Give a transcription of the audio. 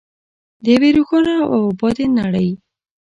د یوې روښانه او ابادې نړۍ.